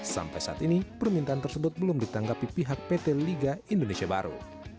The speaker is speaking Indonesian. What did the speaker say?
sampai saat ini permintaan tersebut belum ditanggapi pihak pt liga indonesia baru